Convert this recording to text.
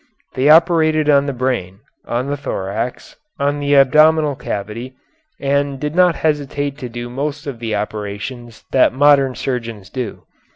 They operated on the brain, on the thorax, on the abdominal cavity, and did not hesitate to do most of the operations that modern surgeons do.